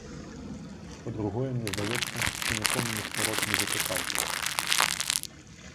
Па-другое, мне здаецца, што нікому ніхто рот не затыкаў.